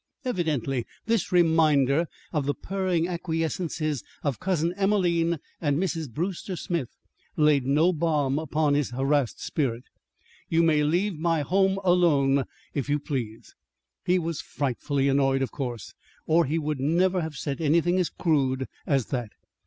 Evidently this reminder of the purring acquiescences of Cousin Emelene and Mrs. Brewster Smith laid no balm upon his harassed spirit. "You may leave my home alone, if you please." He was frightfully annoyed, of course, or he wouldn't have said anything as crude as that.